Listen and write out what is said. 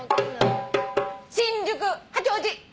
新宿八王子！